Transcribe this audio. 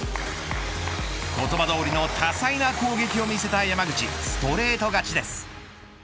言葉どおりの多彩な攻撃を見せた山口ストレート勝ちです。